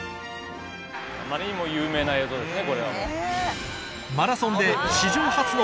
あまりにも有名な映像ですね。